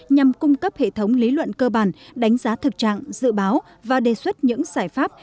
nhằm cung cấp hệ thống lý luận cơ bản đánh giá thực trạng dự báo và đề xuất những giải pháp